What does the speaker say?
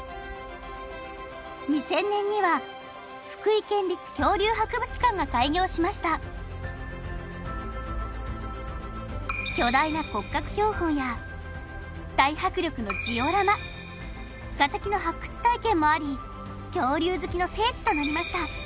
２０００年には福井県立恐竜博物館が開業しました巨大な骨格標本や大迫力のジオラマ化石の発掘体験もあり恐竜好きの聖地となりました